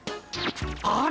あれ？